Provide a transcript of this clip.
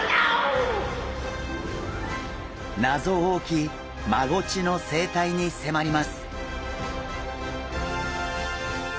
謎多きマゴチの生態に迫ります。